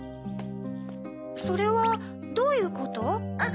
それはどういうこと？